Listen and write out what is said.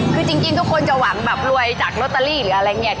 คือจริงทุกคนจะหวังแบบรวยจากลอตเตอรี่หรืออะไรอย่างนี้